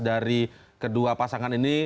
dari kedua pasangan ini